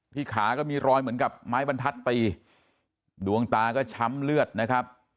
ขาก็มีรอยเหมือนกับไม้บรรทัดตีดวงตาก็ช้ำเลือดนะครับ